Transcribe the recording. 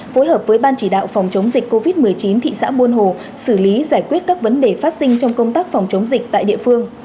phối hợp với ban chỉ đạo phòng chống dịch covid một mươi chín thị xã buôn hồ xử lý giải quyết các vấn đề phát sinh trong công tác phòng chống dịch tại địa phương